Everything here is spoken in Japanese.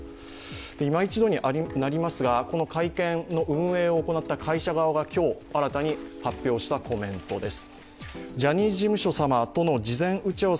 いま一度になりますが、この会見の運営を行った会社が今日、新たに発表したコメントです。